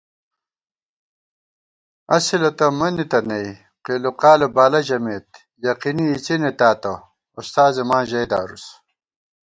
اصِلہ تہ منِتہ نئ قیل و قالہ بالہ ژمېت یقینی اِڅِنے تاتہ اُستاذےماں ژئیدارُس